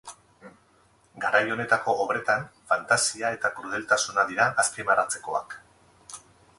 Garai honetako obretan fantasia eta krudeltasuna dira azpimarratzekoak.